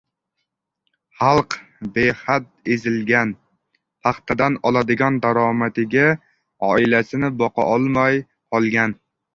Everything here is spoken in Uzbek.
— Xalq behad ezilgan, paxtadan oladigan daromadiga oilasini boqolmay qolgan.